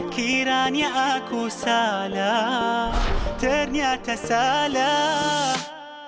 kiranya aku salah ternyata salah